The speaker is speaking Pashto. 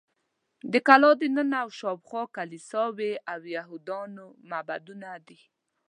د کلا دننه او شاوخوا کلیساوې او یهودانو معبدونه دي.